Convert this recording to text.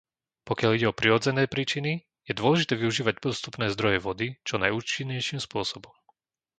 Pokiaľ ide o prirodzené príčiny, je dôležité využívať dostupné zdroje vody čo najúčinnejším spôsobom.